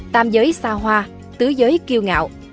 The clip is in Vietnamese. tam giới xa hoa tứ giới kiêu ngạo